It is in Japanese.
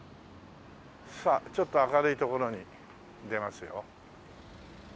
さあちょっと明るい所に出ますよ。